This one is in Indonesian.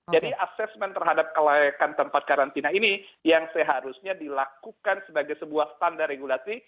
jadi assessment terhadap kelayakan tempat karantina ini yang seharusnya dilakukan sebagai sebuah standar regulasi